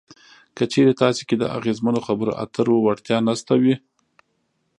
که چېرې تاسې کې د اغیزمنو خبرو اترو وړتیا نشته وي.